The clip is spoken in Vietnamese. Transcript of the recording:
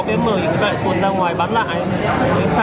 có vé mời thì cứ lại cuốn ra ngoài bán lại